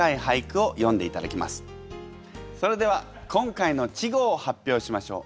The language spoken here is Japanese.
それでは今回の稚語を発表しましょう。